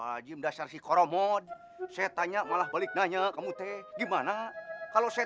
haji dasar si koromot saya tanya malah balik nanya kamu teh gimana kalau saya